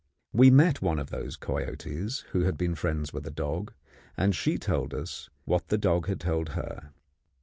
We met one of these coyotes who had been friends with a dog, and she told us what the dog had told her.